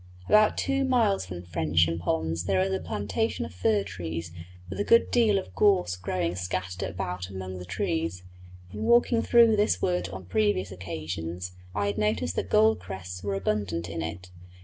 About two miles from Frensham ponds there is a plantation of fir trees with a good deal of gorse growing scattered about among the trees; in walking through this wood on previous occasions I had noticed that gold crests were abundant in it.